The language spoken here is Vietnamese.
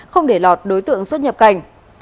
không để lọt đối tượng xuất nhập cảnh